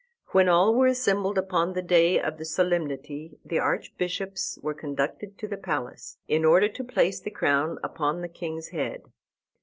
When all were assembled upon the day of the solemnity the archbishops were conducted to the palace, in order to place the crown upon the king's head.